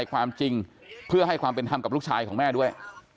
ความจริงเพื่อให้ความเป็นธรรมกับลูกชายของแม่ด้วย